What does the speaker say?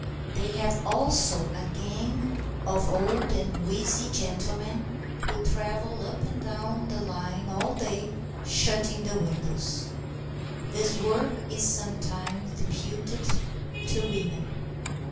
They have also a gang of old and wheezy gentlemen who travel up and down the line all day shutting the windows. This work is sometimes deputed to women.